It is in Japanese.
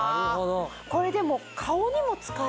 これでも。